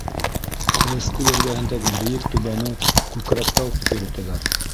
Ҡылыскүл эргәһендәге бейек түбәне Күкрәктау тип йөрөтәләр.